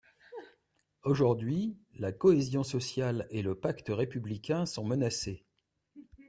Aujourd’hui, la cohésion sociale et le pacte républicain sont menacés.